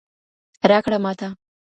راکړه ماته